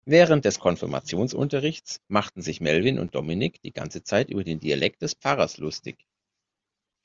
Während des Konfirmationsunterrichts machten sich Melvin und Dominik die ganze Zeit über den Dialekt des Pfarrers lustig.